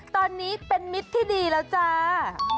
ตอนนี้เป็นมิตรที่ดีแล้วจ้า